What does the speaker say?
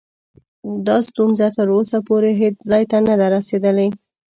دا ستونزه تر اوسه پورې هیڅ ځای ته نه ده رسېدلې.